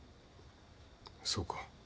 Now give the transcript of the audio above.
そうか。